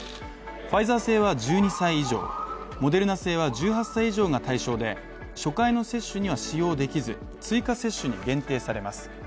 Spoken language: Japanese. ファイザー製は１２歳以上、モデルナ製は１８歳以上が対象で初回の接種には使用できず追加接種に限定されます。